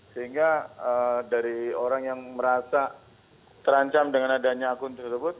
sehingga dari orang yang merasa terancam dengan adanya akun tersebut